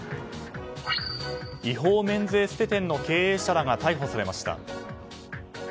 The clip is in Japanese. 違法メンズエステ店の経営者らが逮捕されました。